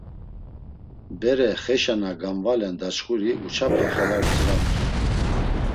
Bere xeşa na gamvalen daçxuri Uçapxe xala otziramt̆u.